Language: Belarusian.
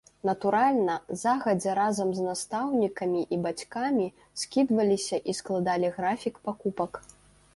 Натуральна, загадзя разам з настаўнікамі і бацькамі скідваліся і складалі графік пакупак.